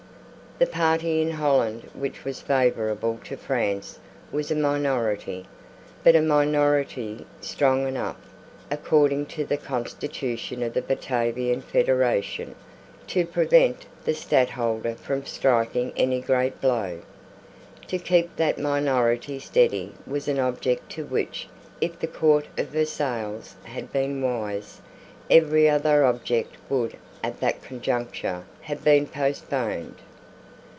The party in Holland which was favourable to France was a minority, but a minority strong enough, according to the constitution of the Batavian federation, to prevent the Stadtholder from striking any great blow. To keep that minority steady was an object to which, if the Court of Versailles had been wise, every other object would at that conjuncture have been postponed.